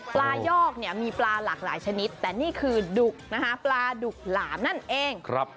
ยอกเนี่ยมีปลาหลากหลายชนิดแต่นี่คือดุกนะคะปลาดุกหลามนั่นเอง